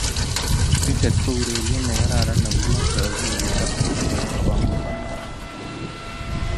Kriket o urerie ne kararan ako mochei akilit ak bomkonutik.